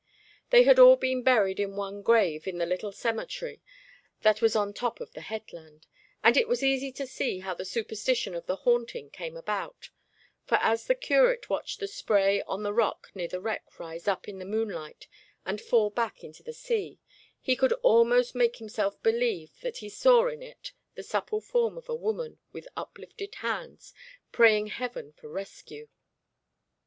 They had all been buried in one grave in the little cemetery that was on the top of the headland; and it was easy to see how the superstition of the haunting came about, for as the curate watched the spray on the rock near the wreck rise up in the moonlight and fall back into the sea, he could almost make himself believe that he saw in it the supple form of a woman with uplifted hands, praying heaven for rescue.